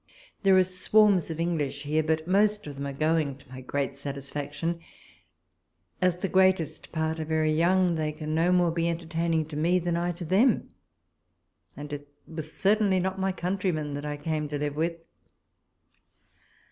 There are swarms of English here, but most of them are going, to my great satisfaction. As the greatest part are very young, they can no more be entertaining to me than I to them, and it certainly was not my countrymen that I came to live with.